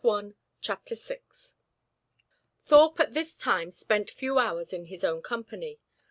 Here we are." VI Thorpe at this time spent few hours in his own company.